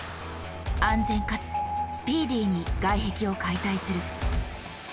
安全かつスピーディーに外壁を解体する。